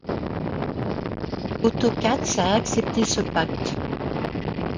Otto Katz a accepté ce pacte.